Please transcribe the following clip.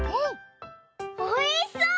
おいしそう！